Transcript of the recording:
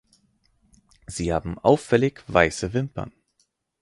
Sie haben auffällig weiße Wimpern.